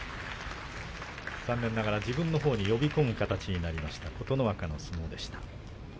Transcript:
残念ながら自分のほうに呼び込む形になりました琴ノ若の相撲でした。